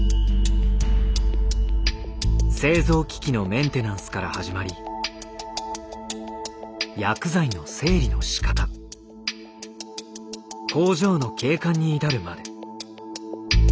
製造機器のメンテナンスから始まり薬剤の整理のしかた工場の景観に至るまで。